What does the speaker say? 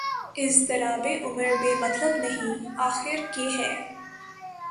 اضطرابِ عمر بے مطلب نہیں آخر کہ ہے